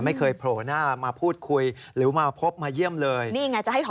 แม่ยายบอกว่าไม่ได้